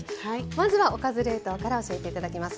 まずは「おかず冷凍」から教えて頂きます。